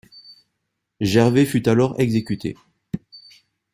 Gervais fut alors exécuté.